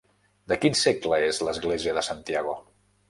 De quin segle és l'Església de Santiago?